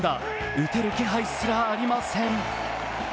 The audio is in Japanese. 打てる気配すらありません。